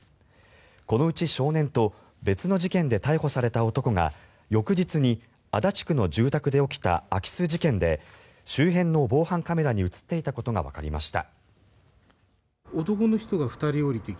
このうち、少年と別の事件で逮捕された男が翌日に足立区の住宅で起きた空き巣事件で周辺の防犯カメラに映っていたことがわかりました。